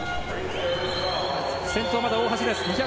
先頭まだ大橋です。